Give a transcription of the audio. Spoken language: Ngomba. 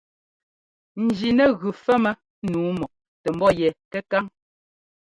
Jí nɛ gʉ fɛ́mmɛ nǔu mɔ tɛ ḿbɔ́ yɛ kɛkáŋ.